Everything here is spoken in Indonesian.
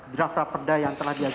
draft raperda yang telah diajukan